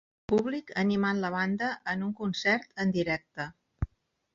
Públic animant la banda en un concert en directe.